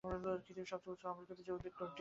পৃথিবীর সবচেয়ে উঁচু আবৃতবীজী উদ্ভিদ কোনটি?